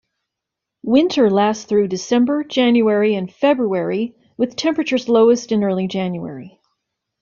Winter lasts through December, January and February, with temperatures lowest in early January.